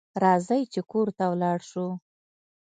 راځئ چې کور ته ولاړ شو